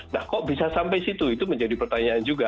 nah kok bisa sampai situ itu menjadi pertanyaan juga